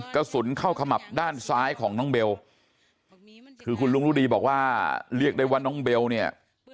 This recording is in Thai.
กระสุนเข้าขมับด้านซ้ายของน้องเบลคือคุณลุงรุดีบอกว่าเรียกได้ว่าน้องเบลเนี่ย